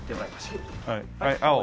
はい青。